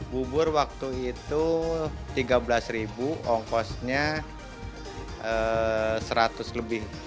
bubur waktu itu tiga belas ongkosnya seratus lebih